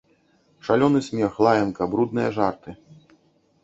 Шалёны смех, лаянка, брудныя жарты.